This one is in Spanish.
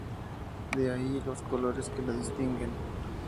De ahí los colores que la distinguen.